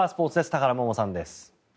田原萌々さんです。